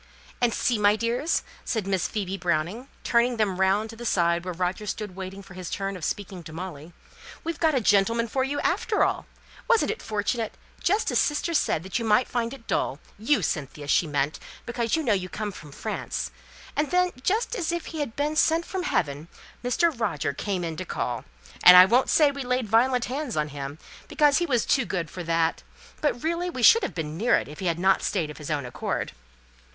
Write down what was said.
"And see, my dears," said Miss Phoebe Browning, turning them round to the side where Roger stood waiting for his turn of speaking to Molly, "we've got a gentleman for you after all! Wasn't it fortunate? just as sister said that you might find it dull you, Cynthia, she meant, because you know you come from France then, just as if he had been sent from heaven, Mr. Roger came in to call; and I won't say we laid violent hands on him, because he was too good for that; but really we should have been near it, if he had not stayed of his own accord."